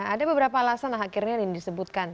ada beberapa alasan akhirnya yang disebutkan